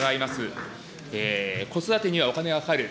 子育てにはお金がかかる。